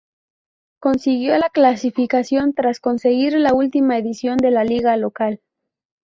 Consiguió la clasificación tras conseguir la última edición de la liga local.